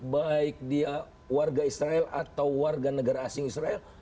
baik dia warga israel atau warga negara asing israel